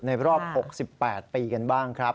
รอบ๖๘ปีกันบ้างครับ